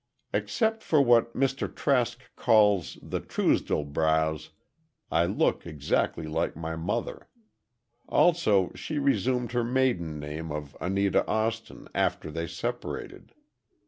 "Except for what Mr. Trask calls the Truesdell brows, I look exactly like my mother. Also she resumed her maiden name of Anita Austin after they separated.